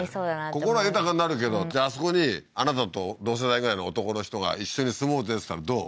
心は豊かになるけどじゃああそこにあなたと同世代ぐらいの男の人が一緒に住もうぜっつったらどう？